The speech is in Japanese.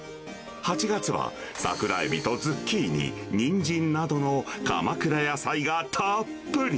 ８月は桜えびとズッキーニ、ニンジンなどの鎌倉野菜がたっぷり。